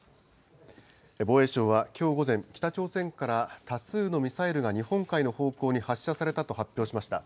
防衛省はきょう午前、北朝鮮から多数のミサイルが日本海の方向に発射されたと発表しました。